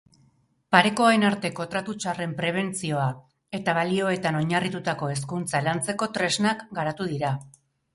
Parekoen arteko tratu txarren prebentzioa eta balioetan oinarritutako hezkuntza lantzeko tresnak garatu dira.